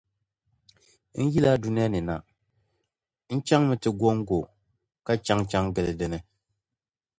N yila dunia ni na, n chaŋmi ti gɔŋgo ka chaŋchaŋ gili di ni.